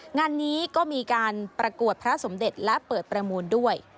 งานนี้ก็มีการประกวดพระสมเด็จและเปิดประมูลด้วย